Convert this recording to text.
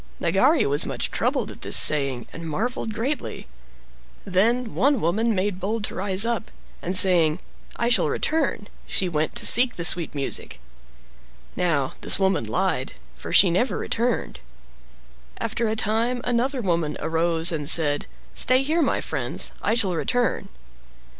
Nagari was much troubled at this saying, and marveled greatly. Then one woman made bold to rise up, and saying, "I shall return," she went to seek the sweet music. Now this woman lied, for she never returned. After a time, another woman arose and said, "Stay here, my friends; I shall return."